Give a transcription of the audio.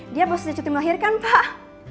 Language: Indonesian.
dia baru saja cuti melahirkan pak